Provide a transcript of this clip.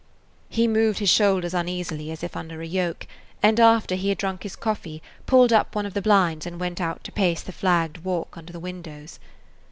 He moved his shoulders uneasily, as if under a yoke, and, after he had drunk his coffee, pulled up one of the blinds and went out to pace the flagged walk under the windows.